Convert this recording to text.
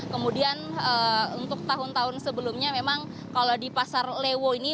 kemudian untuk tahun tahun sebelumnya memang kalau di pasar lewo ini